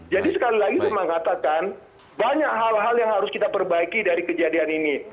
jadi sekali lagi saya mengatakan banyak hal hal yang harus kita perbaiki dari kejadian ini